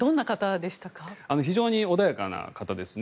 非常に穏やかな方ですね。